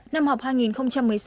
năm học hai nghìn một mươi sáu